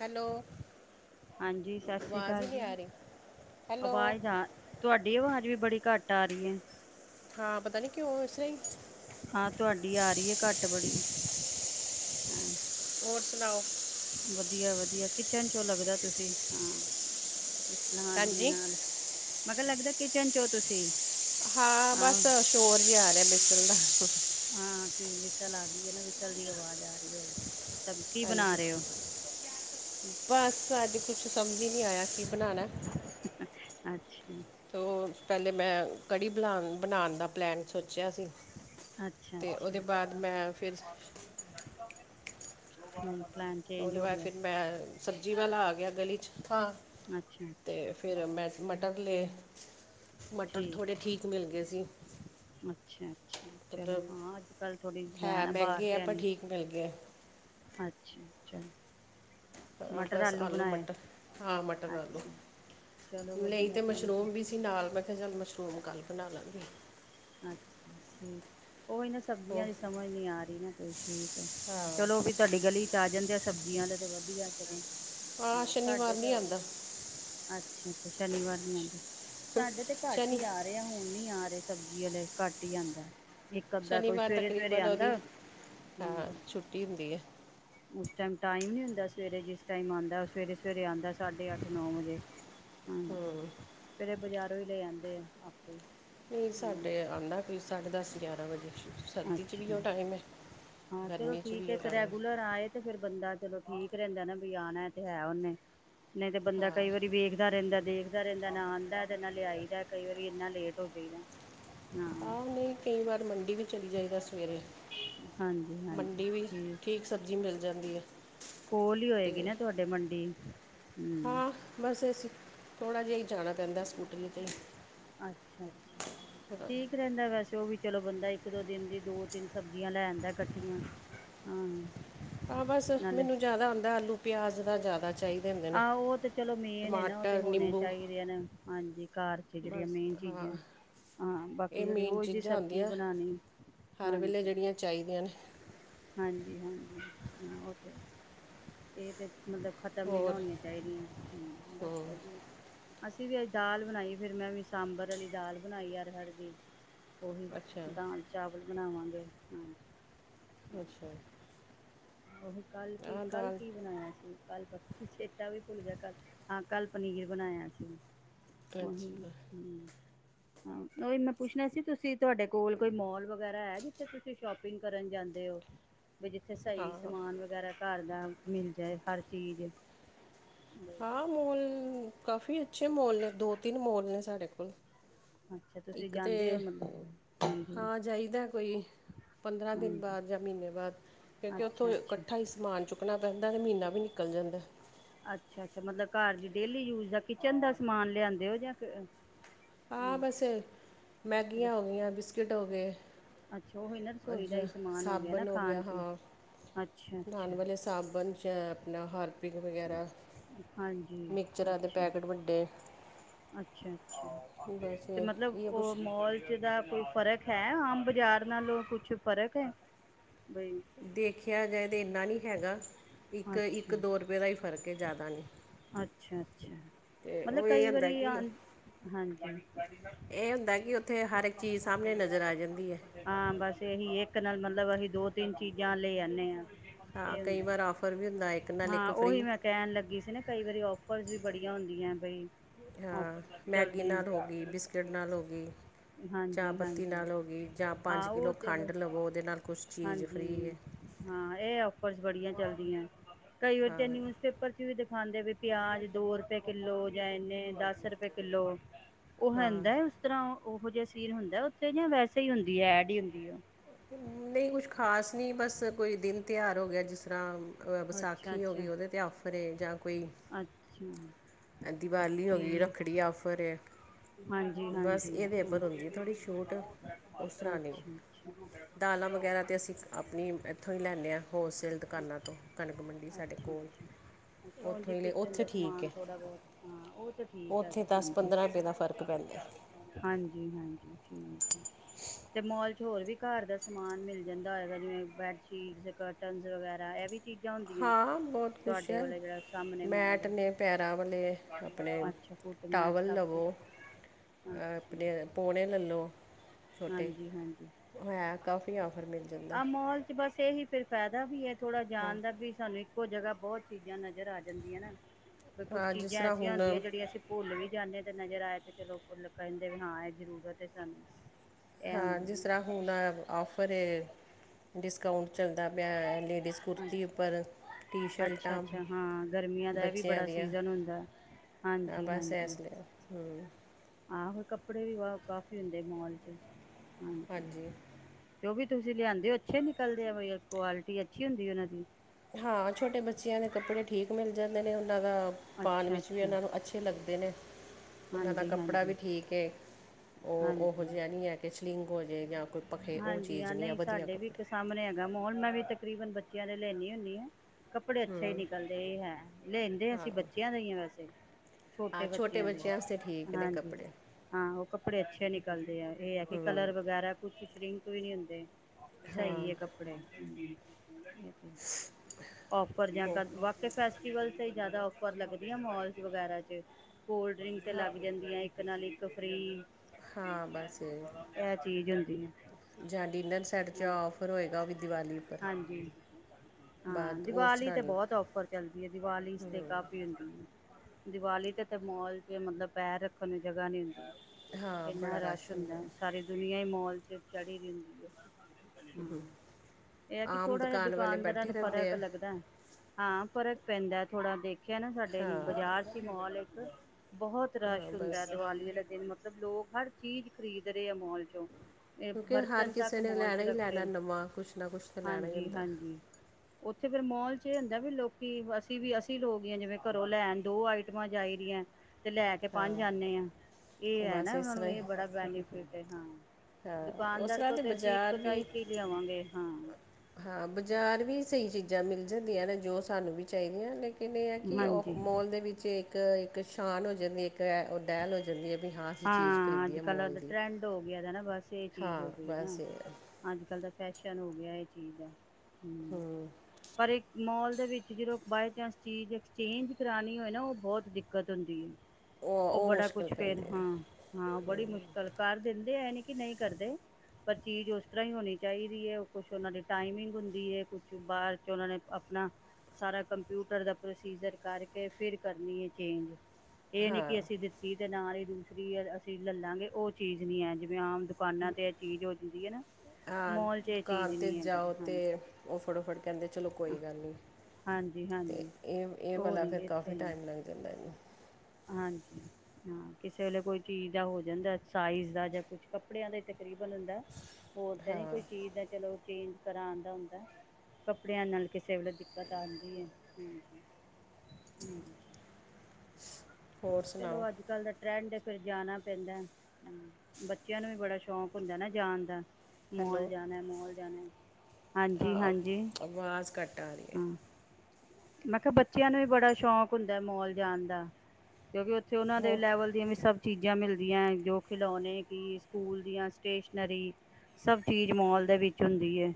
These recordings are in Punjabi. ਹੈਲੋ ਹਾਂਜੀ ਸਤਿ ਸ੍ਰੀ ਆਵਾਜ਼ ਹੀ ਅਕਾਲ ਨਹੀਂ ਜੀ ਆ ਰਹੀ ਹੈਲੋ ਆਵਾਜ਼ ਆ ਤੁਹਾਡੀ ਆਵਾਜ਼ ਵੀ ਬੜੀ ਘੱਟ ਆ ਰਹੀ ਹੈ ਹਾਂ ਪਤਾ ਨੀ ਕਿਉਂ ਇਸ ਲਈ੍ਹਾਂ ਹੀ ਹਾਂ ਤੁਹਾਡੀ ਆ ਰਹੀ ਹੈ ਘੱਟ ਬੜੀ ਹ ਹੋਰ ਸੁਣਾਓ ਵਧੀਆ ਵਧੀਆ ਕਿਚਨ ਚੋਂ ਲੱਗਦਾ ਤੁਸੀਂ ਹਾਂ ਹਾਂਜੀ ਮੈਂ ਕਿਹਾ ਲੱਗਦਾ ਕਿਚਨ ਚੋਂ ਤੁਸੀਂ ਹਾਂ ਬਸ ਸ਼ੋਰ ਵੀ ਆ ਰਿਹਾ ਬਿਸਣ ਦਾ ਹਾਂ ਤੇ ਵਿਸ਼ਲ ਆ ਗਈ ਹੈ ਨਾ ਵਿਸਲ ਦੀ ਆਵਾਜ਼ ਆ ਰਹੀ ਹੋਵੇ ਸਬ ਕੀ ਬਣਾ ਹਾਂਜੀ ਰਹੇ ਹੋ ਬਸ ਅੱਜ ਕੁਛ ਸਮਝ ਹੀ ਨਹੀਂ ਆਇਆ ਕੀ ਬਣਾਉਣਾ ਅੱਛਾ ਪਹਿਲੇ ਮੈਂ ਕੜੀ ਬਣਾਉਣ ਬਣਾਉਣ ਦਾ ਪਲੈਨ ਸੋਚਿਆ ਸੀ ਅੱਛਾ ਅਤੇ ਉਹਦੇ ਅੱਛਾ ਬਾਅਦ ਮੈਂ ਫਿਰ [inaudible] ਉਹਦੇ ਬਾਅਦ ਗਿਆ ਫਿਰ ਮੈਂ ਸਬਜ਼ੀ ਵਾਲਾ ਆ ਗਿਆ ਗਲੀ 'ਚ ਥਾਂ ਅੱਛਾ ਅਤੇ ਅੱਛਾ ਫਿਰ ਮੈਂ ਮਟਰ ਲਏ ਠੀਕ ਮਟਰ ਥੋੜ੍ਹੇ ਹੈ ਠੀਕ ਮਿਲ ਗਏ ਸੀ ਅੱਛਾ ਅੱਛਾ ਚਲੋ ਹਾਂ ਅੱਜ ਕੱਲ ਥੋੜੀ ਹੈ ਨਾ ਬਾਹਰ ਤੇ ਆਪਾਂ ਐਨੀ ਠੀਕ ਮਿਲ ਗਏ ਅੱਛਾ ਚਲ ਮਟਰ ਬਸ ਆਲੂ ਬਣਾਏ ਮਟਰ ਹਾਂ ਮਟਰ ਆਲੂ ਅੱਛਾ ਚਲੋ ਨਹੀਂ ਵਧੀਆ ਤੇ ਠੀਕ ਹੈ ਮਸ਼ਰੂਮ ਵੀ ਸੀ ਨਾਲ ਮੈਂ ਕਿਹਾ ਚੱਲ ਮਸ਼ਰੂਮ ਕੱਲ ਬਣਾ ਲੈਣਗੇ ਅੱਛਾ ਠੀਕ ਉਹਨਾਂ ਸਬਜ਼ੀਆਂ ਉਹ ਦੀ ਸਮਝ ਨੀ ਆ ਰਹੀ ਨਾ ਕੋਈ ਠੀਕ ਹਾਂ ਚਲੋ ਵੀ ਤੁਹਾਡੀ ਗਲੀ ਚ ਆ ਜਾਂਦੇ ਆ ਸਬਜ਼ੀਆਂ ਵਾਲੇ ਤੇ ਵਧੀਆ ਹਾਂ ਹੂੰ ਸ਼ਨੀਵਾਰ ਸਾਡੇ ਤੇ ਨਹੀਂੀ ਆਉਂਦਾ ਅੱਛਾ ਅੱਛਾ ਸ਼ਨੀਵਾਰ ਨੀ ਆਦੇ ਸਾਡੇ ਤੇ ਘੱਟ ਹੀ ਸ਼ਨੀ ਯਾਰ ਹੁਣ ਨੀ ਆ ਰਹੇ ਸਬਜ਼ੀ ਵਾਲਲੇ ਘੱਟ ਹੀ ਜਾਂਦਾ ਇੱਕ ਅੱਧਾ ਕੋਈ ਸ਼ਨੀਵਾਰ ਸਵੇਰੇ ਸਵੇਰੇ ਤਕਰੀਬਨ ਆਉਂਦਾ ਹਾਂਜੀ ਰੁੱਟੀ ਹਦੀ ਹੈ ਉਸ ਟਾਈਮ ਟਾਈਮ ਨੀ ਹੁੰਦਾ ਸਵੇਰੇ ਜਿਸ ਟਾਈਮ ਆਉਂਦਾ ਸਵੇਰੇ ਸਵੇਰੇਉਂਦਾ ਸਾਢੇ ਅੱਠ ਨੌ ਵਜੇ ਹਮ ਫੇਿਰ ਇਹ ਬਜ਼ਾਰੋਂ ਹੀ ਲੈ ਆਦੇ ਆ ਆਪੇ ਨਹੀਂ ਸਾਡੇ ਹਾਂ ਆਉਂਦਾ ਕੋਈ ਸਾਢੇ ਦਸ ਗਿਆਰਾਂ ਵਜੇ ਸਰਦੀ 'ਚ ਵੀ ਅੱਛਾ ਉਹ ਟਾਈਮ ਹੈ ਹਾਂ ਚਲੋ ਗਰਮੀ 'ਚ ਠੀਕ ਵੀ ਹੈ ਉਹ ਇੱਕ ਟਾਈਮ ਰੈਗੂਲਰ ਆਏ ਤੇ ਫਿਰ ਬੰਦਾ ਚਲੋ ਠੀਕ ਰਹਿੰਦਾ ਨਾ ਵੀ ਆਣਾ ਤੇ ਹੈ ਨੇ ਨਹੀਂ ਤੇ ਤਾਂ ਬੰਦਾ ਕਈ ਵਾਰੀ ਵੇਖਦਾ ਰਹਿੰਦਾ ਦੇਖ ਦਾ ਰਹਿੰਦਾ ਨਾ ਆਉਂਦਾ ਤੇ ਨਾ ਲਿਆਈਦਾ ਕਈ ਵਾਰੀ ਇੰਨਾ ਲੇਟ ਹੋ ਜਾਈਦਾ ਹਾਂ ਆਹੋ ਨਹੀਂ ਕਈ ਵਾਰ ਮੰਡੀ ਵਿੱਚ ਚਲੀ ਜਾਈਦਾ ਸਵੇਰੇ ਹਾਂਜੀ ਹਾਂਜੀ ਮੰਡੀ ਵੀ ਠੀਕ ਸਬਜ਼ੀ ਮਿਲ ਜਾਂਦੀ ਹੈ ਕੋਲ ਹੀ ਤੇ ਹੋਏਗੀ ਨਾ ਤੁਹਾਡੇ ਮੰਡੀ ਹਮ ਹਾਂ ਬਸ ਅਂ ਥੋੜ੍ਹਾ ਜਿਹਾ ਹੀ ਜਾਣਾ ਪੈਂਦਾ ਸਕੂਟਰੀ 'ਤੇ ਹੀ ਅੱਛਾ ਅੱਛਾ ਠੀਕ ਰਹਿੰਦਾ ਵੈਸੇ ਉਹ ਵੀ ਚਲੋ ਬੰਦਾ ਇੱਕ ਦੋ ਦਿਨ ਦੀ ਦੋ ਤਿੰਨ ਸਬਜ਼ੀਆਂ ਲੈਣਦਾ ਇਕੱਠੀਆਂ ਹਾਂ ਆਹ ਬਸ ਨਾਲੇ ਮੈਨੂੰ ਜਿਆਦਾ ਆਉਂਦਾ ਆਲੂ ਪਿਆਜ ਦਾ ਜ਼ਿਆਦਾ ਚਾਹੀਦਾ ਆਹੋ ਉਹ ਤੇ ਚਲੋ ਮੇਨ ਨੇ ਨਾ ਉਹ ਤੇ ਹੋਣੇ ਨਿੰਬੂ ਚਾਹੀਦੇ ਆ ਨਾ ਹਾਂਜੀ ਘਰ ਇਥੇ ਜਿਹੜੀਆਂ ਬਸ ਮੇਨ ਹਾਂ ਚੀਜ਼ਾਂ ਹਾਂ ਬਾਕੀ ਇਹ ਜਿਹੜੀ ਮੇਨ ਰੋਜ਼ ਦੀ ਚੀਜ਼ਾਂ ਸਬਜ਼ੀ ਹੁੰਦੀਆਂ ਬਣਾਉਣੀ ਹਰ ਵੇਲੇ ਹਾਂਜੀ ਜਿਹੜੀਆਂ ਚਾਹੀਦੀਆਂ ਨੇ ਹਾਂਜੀ ਹਾਂਜੀ ਹਾਂ ਉਹ ਤੇ ਹੈ ਇਹ ਤੇ ਮਤਲਬ ਖਤਮ ਨਹੀਂ ਨਾ ਹੋਰ ਹੋਣੀਆਂ ਚਾਹੀਦੀਆਂ ਬਸ ਹੂੰ ਵਧੀਆ ਅਸੀਂ ਵੀ ਅੱਜ ਦਾਲ ਬਣਾਈ ਫਿਰ ਮੈਂ ਵੀ ਸਾਂਬਰ ਵਾਲੀ ਦਾਲ ਬਣਾਈ ਹਰ ਹਰ ਦੀ ਉਹੀ ਅੱਛਾ ਦਾਲ ਚਾਵਲ ਬਣਾਵਾਂਗੇ ਹਾਂਜੀ ਅੱਛਾ ਉਹਹੀ ਕੱਲ੍ਹ ਕੀ ਆ ਕੱਲ੍ਹ ਦਾਲ ਕੀ ਬਣਾਉਣਾ ਸੀ ਕੱਲ੍ਹ ਪ ਚਛੇਤਾ ਵੀ ਭੁੱਲ ਗਿਆ ਕੱਲ ਹਾਂ ਕੱਲ੍ਹ ਪਨੀਰ ਬਣਾਇਆ ਸੀ ਸੋਨੀ ਅੱਛਾ ਹ ਹਾਂ ਉਹੀ ਮੈਂ ਪੁੱਛਣਾ ਸੀ ਤੁਸੀਂ ਤੁਹਾਡੇ ਕੋਲ ਕੋਈ ਮੋਲ ਵਗੈਰਾ ਹੈ ਜਿੱਥੇ ਤੁਸੀਂ ਸ਼ੋਪਿੰਗ ਕਰਨ ਜਾਂਦੇ ਹੋ ਹ ਵੀ ਜਿੱਥੇ ਸਹੀ ਸਮਾਨ ਵਗੈਰਾ ਘਰ ਦਾ ਮਿਲ ਜਾਏ ਹਰ ਚੀਜ਼ ਬਈ ਹਾਂ ਮੋਲ ਕਾਫੀ ਅੱਛੇ ਮੋਲ ਨੇ ਦੋ ਤਿੰਨ ਮੋਲ ਨੇ ਸਾਡੇ ਕੋਲ ਅੱਛਾ ਤੁਸੀਂ ਇੱਕ ਤੇ ਜਾਂਦੇ ਹੋ ਮਤਲਬ ਹਾਂਜੀ ਹਾਂ ਚਾਹੀਦਾ ਕੋਈ ਪੰਦਰਾਂ ਦਿਨ ਹਾਂਜੀ ਬਾਅਦ ਜਾਂ ਮਹੀਨੇ ਬਾਅਦ ਕਿਉਂਕਿ ਉੱਥੋਂ ਅੱਛਾ ਅੱਛਾ ਇਕੱਠਾ ਹੀ ਸਮਾਨ ਚੁੱਕਣਾ ਪੈਂਦਾ ਅਤੇ ਮਹੀਨਾ ਵੀ ਨਿਕਲ ਜਾਂਦਾ ਅੱਛਾ ਅੱਛਾ ਮਤਲਬ ਘਰ ਦੀ ਡੇਲੀ ਯੂਜ ਦਾ ਕਿਚਨ ਦਾ ਸਮਾਨ ਲਿਆਂਦੇ ਹੋ ਜਾਂ ਹਾਂ ਅ ਬਸ ਰਸ ਮੈਗੀਆਂ ਹੋ ਗਈਆਂ ਬਿਸਕਿਟ ਹੋ ਗਏ ਅੱਛਾ ਉਹੀ ਨਾ ਰਸੋਈ ਅੱਜ ਦਾ ਹੀ ਸਮਾਨ ਨਾ ਸਾਬਣ ਹੋ ਗਿਆ ਖਾਣ ਪੀਣ ਹਾਂ ਅੱਛਾ ਨਉਣ ਅੱਛਾ ਵਾਲੇ ਸਾਬਣ ਛ ਆਪਣਾ ਹਾਰਪਿਕ ਵਗੈਰਾ ਹਾਂਜੀ ਮਿਕਚਰਾਂ ਦੇ ਅੱਛਾ ਪੈਕਟ ਵੱਡੇ ਅੱਛਾ ਅੱਛਾ ਬਸ ਤੇ ਮਤਲਬ ਇਹ ਕੁਝ ਉਹ ਮੋਲ ਚ ਦਾ ਕੋਈ ਫ਼ਰਕ ਹੈ ਆਮ ਬਾਜ਼ਾਰ ਨਾਲੋਂ ਕੁਛ ਫ਼ਰਕ ਹੈ ਬਈ ਦੇਖਿਆ ਜਾਏ ਤਾਂ ਇੰਨਾ ਨਹੀਂ ਹੈਗਾ ਇੱਕ ਅੱਛਾ ਇੱਕ ਦੋ ਰੁਪਏ ਦਾ ਹੀ ਫ਼ਰਕ ਹੈ ਜ਼ਿਆਦਾ ਨਹੀਂ ਅੱਛਾ ਅੱਛਾ ਤੇ ਮਤਲਬ ਉਹ ਇਹ ਕਈ ਹੁੰਦਾ ਵਾਰੀ ਕਿ ਹਾਂਜੀ ਇਹ ਹੁੰਦਾ ਕਿ ਉੱਥੇ ਹਰ ਇੱਕ ਚੀਜ਼ ਸਾਹਮਣੇ ਨਜ਼ਰ ਆ ਜਾਂਦੀ ਹੈ ਹਾਂ ਬਸ ਅਸੀ ਇੱਕ ਨਾਲ ਮਤਲਬ ਅਸੀਂ ਦੋ ਤਿੰਨ ਚੀਜ਼ਾਂ ਲੈ ਆਦੇ ਹਾਂ ਹਾਂ ਇਹ ਕਈ ਹੁੰਦਾ ਵਾਰ ਆਫਰ ਵੀ ਹੁੰਦਾ ਇੱਕ ਨਾਲ ਇੱਕ ਹਾਂ ਫ੍ਰੀ ਉਹੀ ਮੈਂ ਕਹਿਣ ਲੱਗੀ ਸੀ ਨਾ ਕਈ ਵਾਰੀ ਆਔਫਰਸ ਵੀ ਬੜੀਆਂ ਹੁੰਦੀਆਂ ਬਈ ਔਫ ਹਾਂ ਮੈਗੀ ਚੱਲਦੀਆਂ ਨਾਲ ਹੋ ਗਈ ਬਿਸਕਿਟ ਨਾਲ ਹੋ ਗਈ ਚਾਹ ਹਾਂਜੀ ਪੱਤੀ ਹਾਂਜੀ ਨਾਲ ਹੋ ਗਈ ਜਾਂ ਪੰਜ ਹਾਂ ਕਿਲੋ ਉਹ ਖੰਡ ਚਲੋ ਲਵੋ ਉਹਦੇ ਨਾਲ ਕੁਛ ਚੀਜ਼ ਫ੍ਰਰੀ ਹੈ ਹਾਂਜੀ ਹਾਂ ਇਹ ਫਰਸ ਬੜੀਆਂ ਚੱਲਦੀਆਂ ਕਈ ਵਾਰ ਹਾਂ ਤੇ ਨਿਊਜ਼ਪੇਪਰ ਪਰ ਚ ਵੀ ਦਿਖਾਉਦੇ ਵੀ ਪਿਆਜ ਦੋ ਰੁਪਏ ਕਿੱਲੋ ਜਾਂ ਇਨੇ ਦਸ ਰੁਪਏ ਕਿੱਲੋ ਉਹ ਹਾਂ ਹੁੰਦਾ ਉਸ ਤਰ੍ਹਾਂ ਉਹੋ ਜਹਾ ਸੀਰ ਹੁੰਦਾ ਉੱਥੇ ਜਾਂ ਵੈਸੇ ਹੀ ਹੁੰਦੀ ਐਡ ਹੀ ਹੁੰਦੀ ਹੈ ਨਹੀਂ ਕੁਛ ਖ਼ਾਸ ਨਹੀਂ ਬਸ ਕੋਈ ਦਿਨ ਤਿਉਹਾਰ ਹੋ ਗਿਆ ਜਿਸ ਤਰ੍ਹਾਂ ਅੱਛਾ ਵਿਸਾਖੀ ਹੋ ਅੱਛਾ ਗਈ ਉਹਦੇ 'ਤੇ ਔਫਰ ਜਾਂ ਕੋਈ ਅੱਛਾ ਦੀਵਾਲੀ ਹੋ ਗਈ ਠੀਕ ਰੱਖੜੀ ਆਫਰ ਹਾਂਜੀ ਬਸ ਹਾਂਜੀ ਇਹਦੇ ਹਾਂ ਉੱਪਰ ਹੁੰਦੀ ਆ ਥੋੜ੍ਹੀ ਛੂਟ ਉਸ ਅੱਛਾ ਤਰ੍ਹਾਂ ਨ ਅੱਛਾ ਦਾਲਾਂ ਵਗੈਰਾ ਅਤੇ ਅਸੀਂ ਆਪਣੀ ਇੱਥੋਂ ਹੀ ਲੈਂਦੇ ਹਾਂ ਹੋਲਸੇਲ ਅੱਛਾ ਦੁਕਾਨਾਂ ਤੋਂ ਕਣਕ ਮੰਡੀ ਸਾਡੇ ਅੱਛਾ ਕੋਲ ਅੱਛਾ ਉੱਥੋਂ ਹੀ ਲ ਉੱਥੇ ਠੀਕ ਹੈ ਥੋੜਾਹੁਤ ਹਾਂ ਉਹ ਤੇ ਠੀਕ ਉੱਥੇ ਹੈਗਾ ਦਸ ਹਾਂਜੀ ਪੰਦਰਾਂ ਰੁਪਏ ਦਾ ਫ਼ਰਕ ਪੈਂਦਾ ਹਾਂਜੀ ਹਾਂਜੀ ਠੀਕ ਹੈ ਤੇ ਮੋਲ ਚ ਹੋਰ ਵੀ ਘਰ ਦਾ ਸਮਾਨ ਮਿਲ ਜਾਂਦਾ ਹੈਗਾ ਜਿਵੇਂ ਬੈਡਸ਼ੀਟ ਨ ਵਗੈਰਾ ਇਹ ਵੀ ਚੀਜ਼ਾਂ ਹੁੰਦੀਆਂ ਹਾਂ ਬਹੁਤ ਕੁਛ ਤੁਹਾਡੇ ਹੈ ਕੋਲ ਜਿਹੜਾ ਸਮਣੇ ਮੈਟ ਮਲ ਨੇ ਪੈਰਾਂ ਵਾਲੇ ਆਪਣੇ ਅੱਛਾ ਟਮੈਂਟ ਟਾਵਲ ਸਭ ਕੁਛ ਲਵੋ ਅੱਛਾ ਅਹ ਪਣੇ ਲੱਲੋ ਛੋਟੇ ਹਾਂਜੀ-ਹਾਂਜੀ ਹੈ ਕਾਫੀ ਔਫਰ ਮਿਲ ਜਾਂਦਾ ਆਹ ਮੋਲ ਬਸ ਇਹੀ ਫਿਰ ਫਾਇਦਾ ਵੀ ਹੈ ਥੋੜ੍ਹਾ ਹਾਂ ਜਾਣ ਦਾ ਵੀ ਸਾਨੂੰ ਇੱਕ ਇੱਕੋ ਜਗ੍ਹਾ ਬਹੁਤ ਚੀਜ਼ਾਂ ਨਜ਼ਰ ਆ ਜਾਂਦੀਆਂ ਨਾ ਕੁੱਛ ਹਾਂ ਜਿਸ ਚੀਜ਼ਾਂ ਤਰ੍ਹਾਂ ਐਸੀਆਂ ਹੁੰਦੀਆਂ ਹੁਣ ਜਿਹੜੀਆਂ ਅਸੀਂ ਭੁੱਲ ਵੀ ਜਾਂਦੇ ਤੇ ਨਜ਼ਰ ਆਇ ਤੇ ਚਲੋ ਭੱਲ ਕਹਿੰਦੇ ਹਾਂ ਇਹ ਜ਼ਰੂਰਤ ਹੈ ਸਾਨੂੰ ਇਹ ਹਾਂ ਹੁੰਦਾ ਜਿਸ ਤਰ੍ਹਾਂ ਨਾ ਹੁਣ ਔਫਰ ਡਿਸਕਾਊਂਟ ਚੱਲਦਾ ਪਿਆ ਲੇਡੀਜ਼ ਕੁੁਰਤੀ ਅੱਛਾ ਉੱਪਰ ਟੀ ਸ਼ਰਟਾਂ ਅੱਛਾ-ਅੱਛਾ ਹਾਂ ਗਰਮੀਆਂ ਦਾ ਇਹ ਵੀ ਬੱਚਿਆਂ ਬੜਾ ਦੀਆਂ ਸੀਜ਼ਨ ਹੁੰਦਾ। ਆ ਬਸੇ ਅਸ ਹਮ ਆਹੋਿਰ ਕੱਪੜੇ ਵੀ ਵ ਕਾਫੀ ਹੁੰਦੇ ਮੋਲ ਚ ਹਾਂਜੀ ਤੇ ਵੀ ਤੁਸੀਂ ਲਿਆਂਦੇ ਹੋ ਅੱਛੇ ਨਿਕਲਦੇ ਆ ਕੁਆਲਟੀ ਅੱਛੀ ਹੁੰਦੀ ਉਹਨਾਂ ਦੀ ਹਾਂ ਛੋਟੇ ਬੱਚਿਆਂ ਦੇ ਕੱਪੜੇ ਠੀਕ ਮਿਲ ਜਾਂਦੇ ਨੇ ਉਹਨਾਂ ਦਾ ਪਾਉਣ ਵਿੱਚ ਵੀ ਅੱਛਾ-ਅੱਛਾ ਉਹਨਾਂ ਨੂੰ ਅੱਛੇ ਲੱਗਦੇ ਨੇ ਉਹਨਾਂ ਦਾ ਕੱਪੜਾ ਵੀ ਹਾਂਜੀ-ਹਾਂਜੀ ਠੀਕ ਹੈ ਹਾਂਜੀ ਉਹ ਉਹ ਹਾਂਜੀ ਹਾਂਜੀ ਜਿਹਾ ਨਹੀਂ ਹੈ ਕਿ ਸ਼ਲਿੰਗ ਹੋ ਜਾਵੇ ਜਾਂ ਕੋਈ ਭੱਖੇ ਉਹ ਹਾਂਜੀ ਚੀਜ਼ ਹਾਂ ਨਹੀਂ ਹੈ ਵਧੀਆ ਸਾਡੇ ਵੀ ਕੱਪੜੇ ਇੱਕ ਸਾਹਮਣੇ ਹੈਗਾ ਮੋਲ ਮੈਂ ਵੀ ਤਕਰੀਬਨ ਬੱਚਿਆਂ ਨੇ ਲੈਦੀ ਹੁੰਦੀ ਆ ਕੱਪੜੇ ਅੱਛੇ ਹੀ ਨਿਕਲਦੇ ਇਹ ਹੈ ਲੈਂਦੇ ਹਾਂ ਅਸੀਂ ਬੱਚਿਆਂ ਦਾ ਹੀ ਆ ਵੈਸੇ ਹਾਂ ਛੋਟੇ ਬੱਚਿਆਂ ਦੇ ਵਾਸਤੇ ਠੀਕ ਨੇ ਹਾਂਜੀ ਕੱਪੜੇ ਹਾਂ ਕੱਪੜੇ ਅੱਛੇ ਨਿਕਲਦੇ ਆ ਇਹ ਹੈ ਕਿ ਕਲਰ ਵਗੈਰਾ ਕੁਛ ਸ਼ਿੰਕ ਵੀ ਨੀ ਹੁੰਦੇ ਸਹੀ ਹੈ ਕੱਪ ਫਰ ਜਾਂ ਹੋ ਕ ਵਾਕਫ ਫੈਸਵਲ ਜਿਆਦਾ ਫਰ ਲੱਗਦੀਆਂ ਮੋਲਸ ਵਗੈਰਾ ਚ ਕੋਲਡ ਡਰਿੰਕ ਤੇ ਹਾਂ ਲੱਗ ਜਾਂਦੀਆਂ ਕਨੀ ਕਫਰੀ ਹਾਂ ਬਸ ਇਹ ਚੀਜ਼ ਹੁੰਦੀ ਆ ਜਾਂ ਡਿਨਰ ਸੈੱਟ 'ਚ ਫ਼ਰ ਹੋਏਗਾ ਵੀ ਦਿਵਾਲੀ ਉੱਪਰ ਹਾਂਜੀ ਹਾਂ ਬਾਅਦ ਉਸ ਦੀਵਾਲੀ ਤਰ੍ਹਾਂ ਤੇ ਨਹੀਂ ਬਹੁਤ ਔਫਰ ਚੱਲਦੀ ਹੈ ਦੀਵਾਲੀ ਇਸ ਤੇ ਕਾਫ਼ੀ ਹੁੰਦੀ ਦੀਵਾਲੀ ਤੇ ਮੋਲ ਚ ਮਤਲਬ ਪੈਰ ਰੱਖਣ ਨੂੰ ਜਗ੍ਹਾ ਨੀ ਹੁੰਦਾ ਇੰਨਾ ਰਸ਼ ਹੁੰਦਾ ਸਾਰੀ ਦੁਨੀਆਂ ਹੀ ਮੋਲ ' ਚੜ੍ਹੀ ਦੀ ਹੁੰਦੀ ਹੈ ਹਮ ਇਹ ਹੈ ਕਿ ਆਮ ਥੋੜਾ ਜਹਾ ਦੁਕਾਨ ਵਾਲੇ ਦੁਕਾਨਦਾਰਾਂ ਬੈਠੇ ਨੂੰ ਰਹਿੰਦੇ ਫ਼ਰਕ ਆ ਲੱਗਦਾ ਹਾਂ ਫ਼ਰਕ ਪੈਂਦਾ ਥੋੜਾ ਦੇਖਿਆ ਨਾ ਸਾਡੇ ਹਾਂ ਬਾਜ਼ਾਰ ਚ ਹੀ ਮੋਲ ਇੱਕ ਬਹੁਤ ਹਾਂ ਰਸ਼ ਹੁੰਦਾ ਬਸ ਦੀਵਾਲੀ ਵਾਲੇ ਦਿਨ ਮਤਲਬ ਲੋਕ ਹਰ ਚੀਜ਼ ਖਰੀਦ ਰਹੇ ਆ ਮੋਲ ਚੋਂ ਇਹ ਕਿਉਂਕਿ ਹਰ ਬਰਤਨ ਤੱਕ ਕਿਸੇ ਨੇ ਮੋਲ 'ਚ ਲੈਣਾ ਹੀ ਰੱਖੇ ਲੈਣਾ ਨਵਾਂ ਕੁਛ ਨਾ ਕੁਛ ਤਾਂ ਲੈਣਾ ਹੀ ਹਾਂਜੀ ਹੁੰਦਾ ਹਾਂਜੀ ਉੱਥੇ ਫੇਿਰ ਮੋਲ ਚ ਇਹ ਹੁੰਦਾ ਵੀ ਲੋਕੀ ਅਸੀਂ ਵੀ ਅਸੀਂ ਲੋ ਗਈ ਜਿਵੇਂ ਘਰੋਂ ਲੈਣ ਦੋ ਆਈਟਮਾਂ ਜਾਈ ਰਿਆਂ ਤੇ ਲੈ ਕੇ ਪਜ ਹਾਂ ਅਨੇ ਆਾਂ ਉਹ ਹੈ ਬਸ ਨਾ ਇਸ ਉਹਨਾਂ ਨੂੰ ਤਰ੍ਹਾਂ ਹੀ ਇਹ ਬੜਾ ਬੈਨੀਫਿਟ ਹੈ ਹਾਂ ਹਾਂ ਉਸ ਦੁਕਾਨਦਾਰ ਤਰ੍ਹਾਂ ਕੋਲ ਤੇ ਅਸੀਂ ਇੱਕ ਬਾਜ਼ਾਰ ਵੀ ਦਾ ਇੱਕ ਆਵਾਂਗੇ ਹਾਂ ਹਾਂ ਬਾਜ਼ਾਰ ਵੀ ਸਹੀ ਚੀਜ਼ਾਂ ਮਿਲ ਜਾਂਦੀਆਂ ਨੇ ਜੋ ਸਾਨੂੰ ਵੀ ਚਾਹੀਦੀਆਂ ਲੇ ਕਹਿੰਦੇ ਆ ਕਿ ਉਹ ਹਾਂਜੀ ਮੋਲ ਦੇ ਵਿੱਚ ਇੱਕ ਇੱਕ ਸ਼ਾਨ ਹੋ ਜਾਂਦੀ ਇੱਕ ਡੈਲ ਹੋ ਜਾਂ ਜਾਂਦੀ ਆ ਵੀ ਹਾਂ ਅਸੀਂ ਚੀਜ਼ ਹਾਂ ਖਰੀਦੀ ਅੱਜ ਹੈ ਮੋਲ ਕੱਲ ਦੀ ਟਰੈਂਡ ਹੋ ਗਿਆ ਦਾ ਨਾ ਬਸ ਇਹ ਚੀਜ਼ ਹੋ ਹਾਂ ਗਈ ਨਾ ਬਸ ਇਹ ਹੈ। ਅੱਜ ਕੱਲ ਦਾ ਫੈਸ਼ਨ ਹੋ ਗਿਆ ਇਹ ਚੀਜ਼ ਆ ਹਮ ਪਰ ਇੱਕ ਮੋਲ ਦੇ ਵਿੱਚ ਜਦੋਂ ਬਏ ਚਾਂਸ ਚੀਜ਼ ਐਕਸਚੇਂਜ ਕਰਾਣੀ ਹੋਏ ਨਾ ਉਹ ਬਹੁਤ ਦਿੱਕਤ ਹੁੰਦੀ ਹੈ ਉਹ ਬੜਾ ਮੁਸ਼ਕਲ ਕੁਛ ਫੇਰ ਪੈਂਦੇ ਨੇ ਹਾਂ ਹਾਂ ਉਹ ਬੜੀ ਮੁਸ਼ਕਿਲ ਕਰ ਦਿੰਦੇ ਹੈ ਨੀ ਕਿ ਨਹੀਂ ਕਰਦੇ ਪਰ ਚੀਜ਼ ਉਸ ਤਰ੍ਹਾਂ ਹੀ ਹੋਣੀ ਚਾਹੀਦੀ ਹੈ ਉਹ ਕੁਛ ਉਹਨਾਂ ਦੀ ਟਾਈਮਿੰਗ ਹੁੰਦੀ ਹੈ ਕੁਛ ਬਾਹਰ ਚ ਉਹਨਾਂ ਨੇ ਆਪਣਾ ਸਾਰਾ ਕੰਪਿਊਟਰ ਦਾ ਪ੍ਰੋਸੀਜਰ ਕਰਕੇ ਫਿਰ ਕਰਨੀ ਹੈ ਚੇਂਜ ਇਹ ਨੀ ਹਾਂ ਕਿ ਅਸੀਂ ਦਿੱਤੀ ਤੇ ਨਾਲ ਹੀ ਦੂਸਰੀ ਅਸੀਂ ਲੈ ਲਾਂਗੇ ਉਹ ਚੀਜ਼ ਨੀ ਹੈ ਜਿਵੇਂ ਆਮੁ ਦੁਕਾਨਾਂ ਤੇ ਇਹ ਚੀਜ਼ ਹੋ ਜਾਂਦੀ ਹੈ ਨਾ ਹਾਂ ਮੋਲ ਚ ਇਹ ਦੁਕਾਨ ਚੀਜ਼ ਤੇ ਨਹੀਂ ਹੈਗੀ ਜਾਓ ਤੇ ਹਾਂਜੀ ਉਹ ਫਟੋਫਟ ਕਹਿੰਦੇ ਚਲੋ ਕੋਈ ਗੱਲ ਨਹੀਂ ਹਾਂਜੀ ਤੇ ਹਾਂਜੀ ਇਹ ਇਹ ਉਹ ਵਾਲਾ ਨੀ ਫਿਰ ਕਾਫ਼ੀ ਇੱਥੇ ਨੀ ਟਾਈਮ ਲੱਗ ਜਾਂਦਾ ਇਹਨੂੰ ਹਾਂਜੀ ਹਾਂ ਕਿਸੇ ਵੇਲੇ ਕੋਈ ਚੀਜ਼ ਦਾ ਹੋ ਜਾਂਦਾ ਸਾਈਜ਼ ਦਾ ਜਾਂ ਕੁਛ ਕੱਪੜਿਆਂ ਦਾ ਤਕਰੀਬਨ ਹੁੰਦਾ ਹੋਰ ਤਾਂ ਨਹੀਂੀ ਕੋਈ ਚੀਜ਼ ਦਾ ਚਲੋ ਚੇਂਜ ਕਰਨ ਦਾ ਹੁੰਦਾ ਏ ਕੱਪੜਿਆਂ ਨਾਲ ਕਿਸੇ ਵੇਲੇ ਦਿੱਕਤ ਆਡ ਰਿਏ ਹਮ ਹੋਰ ਸੁਣਾਓ ਚਲੋ ਅੱਜ ਕੱਲ ਦਾ ਟਰੈਂਡ ਫਿਰ ਜਾਣਾ ਪੈਂਦਾ ਬੱਚਿਆਂ ਨੂੰ ਵੀ ਬੜਾ ਸ਼ੌਕ ਹੁੰਦਾ ਨਾ ਜਾਣ ਦਾ ਮੋਲ ਹੈਲੋ ਜਾਣਾ ਹੈ ਮੋਲ ਜਾਣਾ ਹੈ ਹਾਂ ਹਾਂਜੀ ਹਾਂਜੀ ਆਵਾਜ਼ ਘੱਟ ਆ ਰਹੀ ਹੈ ਹਾਂ ਮੈਂ ਕਿਹਾ ਬੱਚਿਆਂ ਨੂੰ ਵੀ ਬੜਾ ਸ਼ੌਕ ਹੁੰਦਾ ਹੈ ਮੌਲ ਜਾਣ ਦਾ ਕਿਉਂਕਿ ਉੱਥੇ ਉਹਨਾਂ ਦੇ ਹੋ ਲੈਵਲ ਦੀਆਂ ਵੀ ਸਭ ਚੀਜ਼ਾਂ ਮਿਲਦੀਆਂ ਜੋ ਖਿਲੋਣੇ ਕਿ ਸਕੂਲ ਦੀਆਂ ਸਟੇਸ਼ਨਰੀ ਸਭ ਚੀਜ਼ ਮੋਲ ਦੇ ਵਿੱਚ ਹੁੰਦੀ ਹੈ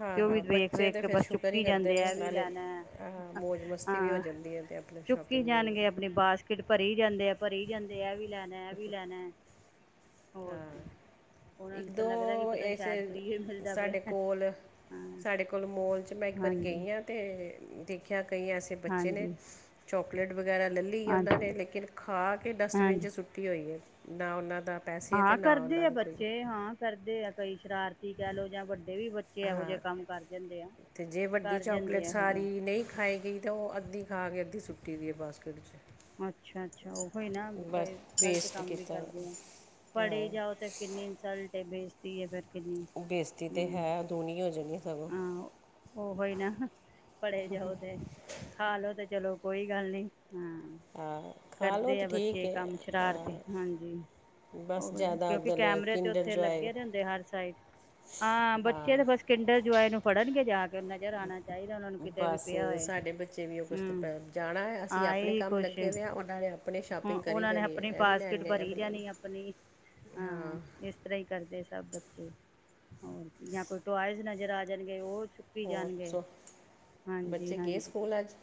ਹਾਂ ਤੇ ਉਹ ਵੀ ਹਾਂ ਵੇਖ ਬੱਚੇ ਵੇਖ ਤਾਂ ਕੇ ਫਿਰ ਬਸ ਸ਼ੁਕਰ ਹੀ ਚੁੱਕੀ ਕਰਦੇ ਜਾਂਦੇ ਨੇ ਆ ਇਹ ਵੀ ਨਾਲੇ ਲੈਣਾ ਹੈ। ਹਾਂ ਮੌਜ ਮਸਤੀ ਵੀ ਹੋ ਹਾਂ ਜਾਂਦੀ ਹੈ ਅਤੇ ਆਪ ਨਾਲੇ ਚੁੱਕੀ ਸ਼ੋਪਿੰਗ ਵੀ ਹੋ ਜਾਣਗੇ ਜਾਂਦੀ ਆਪਣੀ ਬਾਸਕਿਟ ਭਰੀ ਜਾਂਦੇ ਆ ਭਰੀ ਜਾਂਦੇ ਇਹ ਵੀ ਲੈਣਾ ਇਹ ਵੀ ਲੈਣਾ ਹੋਰ ਕੀ ਹਾਂ ਉਹਨਾਂ ਇੱਕ ਨੂੰ ਤਾਂ ਦੋ ਲੱਗਦਾ ਕਿ ਪਤਾ ਨੀ ਇਸੇ ਸ਼ਾਇਦ ਫ੍ਰਰੀ ਹੀ ਮਿਲਦਾ ਪਿਆ ਸਾਡੇ ਹੈ। ਕੋਲ ਹਾਂ ਸਾਡੇ ਕੋਲ ਮੋਲ 'ਚ ਮੈਂ ਇੱਕ ਵਾਰੀ ਹਾਂਜੀ ਗਈ ਹਾਂ ਅਤੇ ਦੇਖਿਆ ਕਈ ਐਸੇ ਬੱਚੇ ਨੇ ਹਾਂਜੀ ਚੋਕਲੇਟ ਵਗੈਰਾ ਲੈ ਲਈ ਉਹਨਾਂ ਹਾਂਜੀ ਨੇ ਲੇਕਿਨ ਖਾ ਕੇ ਡਸਟਬਿਨ 'ਚ ਹਾਂਜੀ ਸੁੱਟੀ ਹੋਈ ਹੈ ਨਾ ਉਹਨਾਂ ਦਾ ਪੈਸੇ ਤੇ ਹਾਂ ਨਾ ਕਰਦੇ ਉਹਨਾਂ ਆ ਦੀ ਕੋਈ ਬੱਚੇ ਹਾਂ। ਕਰਦੇ ਆ ਕਈ ਸ਼ਰਾਰਤੀ ਕਹਿ ਲਓ ਜਾਂ ਵੱਡੇ ਵੀ ਬੱਚੇ ਇਹੋ ਜਿਹੇ ਕੰਮ ਕਰ ਜਾਂਦੇ ਆ ਅਤੇ ਜੇ ਵੱਡੀ ਕਰ ਜਾਂਦੇ ਚਾਕਲੇਟ ਇਹੋ ਜਿਹਾ ਸਾਰੀ ਨਹੀਂ ਖਾਾਈ ਗਈ ਤਾਂ ਉਹ ਅੱਧੀ ਖਾ ਕੇ ਅੱਧੀ ਸੁੱਟੀ ਦੀ ਹੈ ਬਸਕਟ [unintelligible] ਅੱਛਾ ਅੱਛਾ ਉਹੀ ਨਾਈ ਗ਼ਲਤ ਵੇਸਟ ਕੰਮ ਵੀ ਕੀਤਾ ਕਰਦੇ ਆ ਹਾਂ ਫੜੇ ਜਾਓ ਤੇ ਕਿੰਨੀ ਇਨਸਲਟ ਬੇਇਜ਼ਤੀ ਹੈ ਫਿਰ ਕਿੰਨੀ ਬੇਇੱਜ਼ਤੀ ਤਾਂ ਹਮ ਹੈ ਦੂਣੀ ਹੋ ਜਾਣੀ ਸਗੋਂ ਹਾਂ ਉਹ ਹੀ ਨਾ ਪੜੇ ਜਾਓ ਤੇ ਖਾ ਲੋੋ ਤੇ ਚਲੋ ਕੋਈ ਗੱਲ ਨੀ ਹਾਂ ਹਾਂ ਖਾ ਲਓ ਕਰਦੇ ਤਾਂ ਆ ਠੀਕ ਬੱਚੇ ਹੈ ਕੰਮ ਸ਼ਰਾਰਤੀ ਹਾਂਜੀ ਬਸ ਉਹੀ ਨਾ ਜ਼ਿਆਦਾ ਕਿਉਂਕਿ ਉਧਰ ਕੈਮਰੇ ਤੇ ਕਿੰਡਰ ਉੱਥੇ ਜੋਏ ਲੱਗੇ ਦੇ ਹੁੰਦੇ ਹਰ ਸਾਈਡ ਹਾਂ ਬੱਚੇ ਤੇ ਬਸ ਕਿਿੰਡਰ ਜਆਏ ਨੂੰ ਫੜਨਗੇ ਜਾ ਕੇ ਨਜ਼ਰ ਆਉਣਾ ਚਾਹੀਦਾ ਉਹਨਾ ਨੂੰ ਕਿਤੇ ਵੀ ਬਸ ਪਿਆ ਹੋਏ ਸਾਡੇ ਬੱਚੇ ਵੀ ਉਹ ਕੁਛ ਤੇ ਹਮ ਪੈ- ਜਾਣਾ ਹੈ ਅਸੀਂ ਹਾਂ ਆਪਣੇ ਇਹਹੀ ਕੰਮ ਕੁਛ ਲੱਗੇ ਦੇ ਆ ਉਹਨਾਂ ਨੇ ਆਪਣੇ ਹਾਂ ਸ਼ਾਪਿੰਗ ਕਰੀ ਉਹਨਾਂ ਨੇ ਜਾਣੀ ਹੈ ਆਪਣੀ ਇਹ ਵੀ ਬਾਸਕਿਟ ਲੈਣੀ ਹੈ ਇਹ ਭਰੀ ਵੀ ਜਾਣੀ ਲੈਣੀ ਆਪਣੀ ਹਾਂ ਇਸ ਇਸ ਤਰ੍ਹਾਂ ਹੀ ਕਰਦੇ ਸਭ ਬੱਚੇ ਹੋਰ ਜਾਂ ਕੋਈ ਟੋਇਜ਼ ਨਜ਼ਰ ਆ ਜਾਣਗੇ ਉਹੁ ਚੁੱਕੀ ਹੋਰ ਜਾਣਗੇ ਸੋ ਹਾਂਜੀ ਬੱਚੇ ਗਏ ਹਾਂਜੀ ਸਕੂਲ ਅੱਜ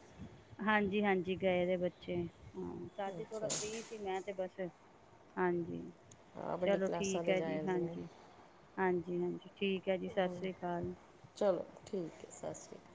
ਹਾਂਜੀ ਹਾਂਜੀ ਗਏ ਦੇ ਬੱਚੇ ਹਾਂ ਦਾਦੀ ਥੋੜਾ ਅੱਛਾ ਫਲੀ ਮੈਂ ਤੇ ਬਸ ਹਾਂਜੀ ਹਾਂ ਵੱਡੀ ਚਲੋ ਕਲਾਸਾਂ ਠੀਕ ਦੇ ਹੈ ਜੀ ਜਾਣਦੇ ਨੇ ਹਾਂਜੀ ਹਾਂਜੀ ਹਾਂਜੀ ਠੀਕ ਹੈ ਜੀ ਸਤਿ ਸ਼੍ਰੀ ਅਕਾਲ ਚਲੋ ਠੀਕ ਹੈ ਸਤਿ ਸ਼੍ਰੀ ਅਕਾਲ